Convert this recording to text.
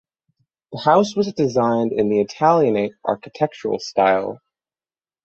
The house was designed in the Italianate architectural style.